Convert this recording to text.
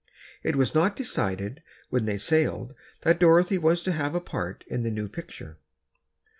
It was not decided when they sailed that Dorothy was to have a part in the new picture.